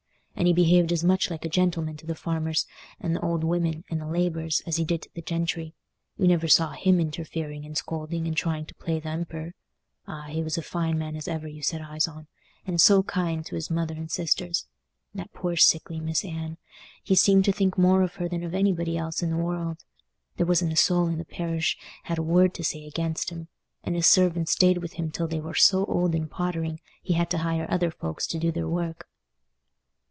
And he behaved as much like a gentleman to the farmers, and th' old women, and the labourers, as he did to the gentry. You never saw him interfering and scolding, and trying to play th' emperor. Ah, he was a fine man as ever you set eyes on; and so kind to's mother and sisters. That poor sickly Miss Anne—he seemed to think more of her than of anybody else in the world. There wasn't a soul in the parish had a word to say against him; and his servants stayed with him till they were so old and pottering, he had to hire other folks to do their work."